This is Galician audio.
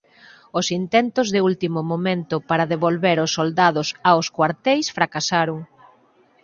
Os intentos de último momento para devolver os soldados aos cuarteis fracasaron.